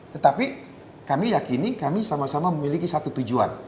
tetapi kami yakini kami sama sama memiliki satu tujuan